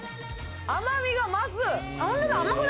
甘みが増す。